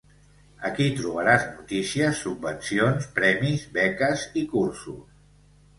Aquí trobaràs notícies, subvencions, premis, beques i cursos.